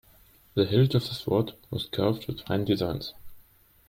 The hilt of the sword was carved with fine designs.